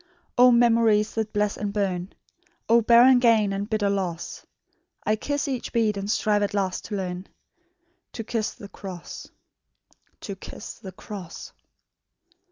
"O memories that bless and burn! O barren gain and bitter loss! I kiss each bead, and strive at last to learn To kiss the cross ... to kiss the cross."